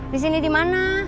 di sini dimana